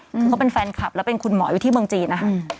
คือเขาเป็นแฟนคลับแล้วเป็นคุณหมออยู่ที่เมืองจีนนะคะ